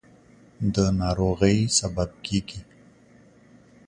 د ناروغۍ سبب کېږي.